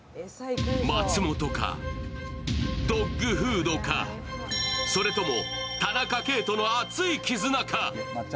松元か、ドッグフードか、それとも田中圭との熱い絆か。